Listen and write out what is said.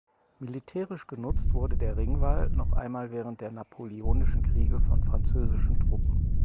Militärisch genutzt wurde der Ringwall noch einmal während der napoleonischen Kriege von französischen Truppen.